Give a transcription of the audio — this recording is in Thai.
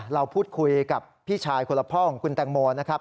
เราพูดคุยกับพี่ชายคนละพ่อของคุณแตงโมนะครับ